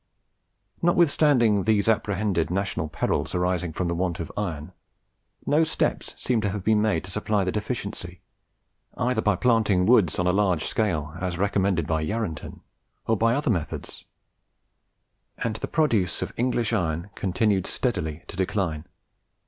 Notwithstanding these apprehended national perils arising from the want of iron, no steps seem to have been taken to supply the deficiency, either by planting woods on a large scale, as recommended by Yarranton, or by other methods; and the produce of English iron continued steadily to decline.